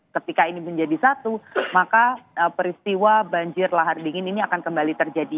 ketika ini menjadi satu maka peristiwa banjir lahar dingin ini akan kembali terjadi